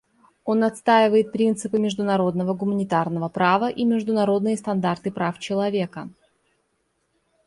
Он отстаивает принципы международного гуманитарного права и международные стандарты прав человека.